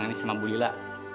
katangan sama ibu lila